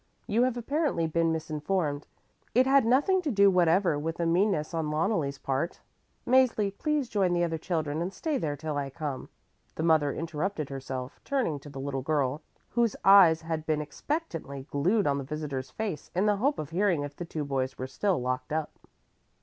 "You have apparently been misinformed. It had nothing to do whatever with a meanness on Loneli's part. Mäzli, please join the other children and stay there till I come," the mother interrupted herself, turning to the little girl, whose eyes had been expectantly glued on the visitor's face in the hope of hearing if the two boys were still locked up.